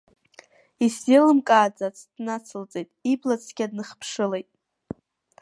Исзеилымкааӡацт, нацылҵеит, ибла цқьа дныхԥшылеит.